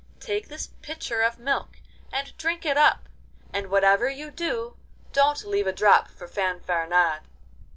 Take this pitcher of milk and drink it up, and whatever you do, don't leave a drop for Fanfaronade.